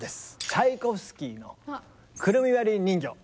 チャイコフスキーの「くるみ割り人形」。